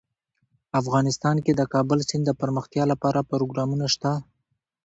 افغانستان کې د کابل سیند دپرمختیا لپاره پروګرامونه شته.